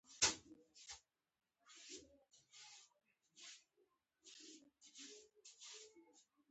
تنوع د افغانستان د اقلیمي نظام ښکارندوی ده.